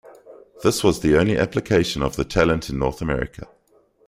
This was the only application of the Talent in North America.